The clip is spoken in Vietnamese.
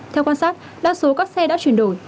theo quan sát đa số các xe đã chuyển đổi